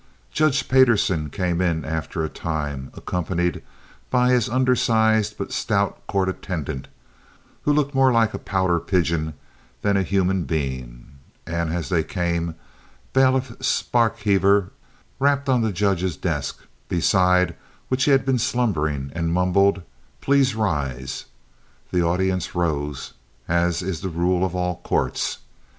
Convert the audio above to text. Judge Payderson came in after a time, accompanied by his undersized but stout court attendant, who looked more like a pouter pigeon than a human being; and as they came, Bailiff Sparkheaver rapped on the judge's desk, beside which he had been slumbering, and mumbled, "Please rise!" The audience arose, as is the rule of all courts.